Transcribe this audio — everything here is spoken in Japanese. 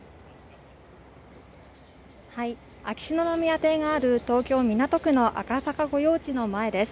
秋篠宮邸がある東京港区の赤坂御用地の前です